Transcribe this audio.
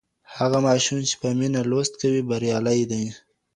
هغه ماشوم چي په مينه لوست کوي بريالی دی.